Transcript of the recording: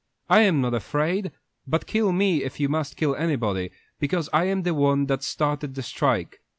I am not afraid! But kill me, if you must kill anybody, because I am the one that started the strike.